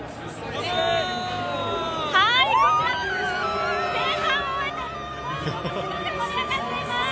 こちら、前半を終えてものすごく盛り上がっています！